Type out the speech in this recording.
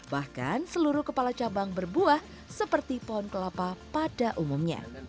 bahkan seluruh kepala cabang berbuah seperti pohon kelapa pada umumnya